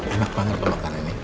enak banget makan ini